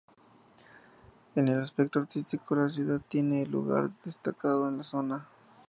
En el aspecto artístico la ciudad tiene un lugar destacado en la zona.